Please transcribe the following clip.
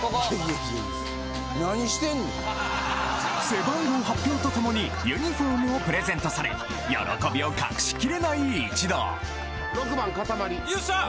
背番号発表とともにユニフォームをプレゼントされ喜びを隠しきれない一同よっしゃ！